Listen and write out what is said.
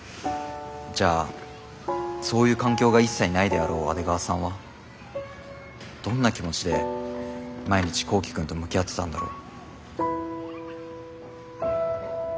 じゃあそういう環境が一切ないであろう阿出川さんはどんな気持ちで毎日幸希くんと向き合ってたんだろう。